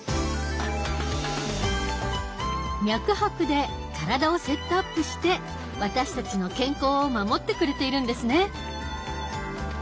脈拍で体をセットアップして私たちの健康を守ってくれているんですね。